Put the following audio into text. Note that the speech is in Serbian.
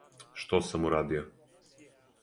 Што сам урадио.